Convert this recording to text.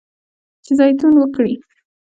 چې زیتون وکري.